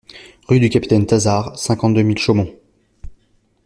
Rue du Capitaine Tassard, cinquante-deux mille Chaumont